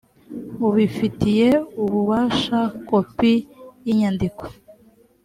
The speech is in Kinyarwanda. bubifitiye ububasha kopi y inyandiko